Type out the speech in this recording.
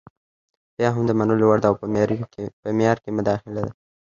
بیا هم د منلو وړ ده او په معیار کې داخله ده.